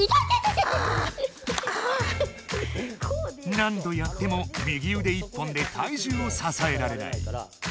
何どやっても右うで１本で体重をささえられない。